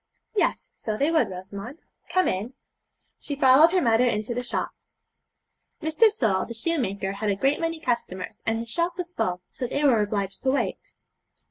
'Yes, so they would, Rosamond. Come in.' She followed her mother into the shop. Mr. Sole, the shoemaker, had a great many customers, and his shop was full, so they were obliged to wait.